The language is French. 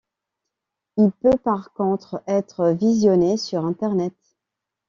Il peut par contre être visionné sur internet.